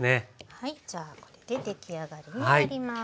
じゃあこれで出来上がりになります。